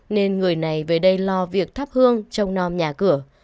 nên người này về đây lo việc thắp hương trong non nhà cửa